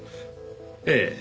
ええ。